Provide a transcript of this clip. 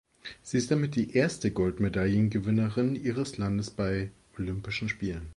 Sie ist damit die erste Goldmedaillengewinnerin ihres Landes bei Olympischen Spielen.